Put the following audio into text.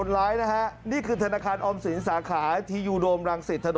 เราไปหาฟังก่อน